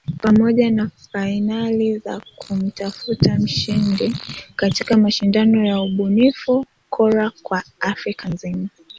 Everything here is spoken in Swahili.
pamoja na fainali za kumtafuta mshindi katika mashindano ya ubunifu Kora kwa Africa nzima